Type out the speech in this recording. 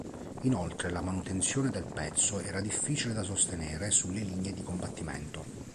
Inoltre la manutenzione del pezzo era difficile da sostenere sulle linee di combattimento.